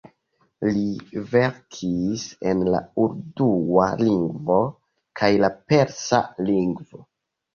Li verkis en la urdua lingvo kaj la persa lingvo.